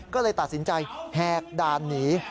ก็เลยตัดสินใจแหกด่านหนี